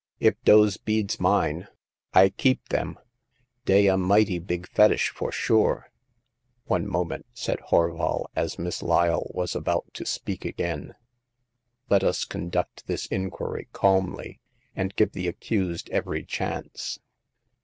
If dose beads mine, I keep dem ; dey a mighty big fetish, for sure !" One moment," said Horval, as Miss Lj^le ^was about to speak again ; "let us conduct this The Second Customer. 73 inquiry calmly, and give the accused every chance.